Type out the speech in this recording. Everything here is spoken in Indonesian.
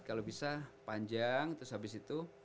kalau bisa panjang terus habis itu